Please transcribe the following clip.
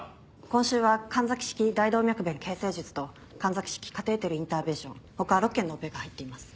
今週は神崎式大動脈弁形成術と神崎式カテーテルインターベンション他６件のオペが入っています。